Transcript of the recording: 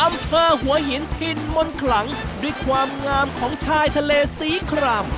อำเภอหัวหินถิ่นมนต์ขลังด้วยความงามของชายทะเลสีคราม